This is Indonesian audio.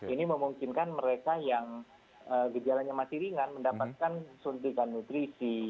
ini memungkinkan mereka yang gejalanya masih ringan mendapatkan suntikan nutrisi